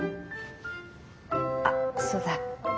あっそうだ。